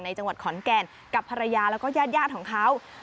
จังหวัดขอนแก่นกับภรรยาแล้วก็ญาติของเขา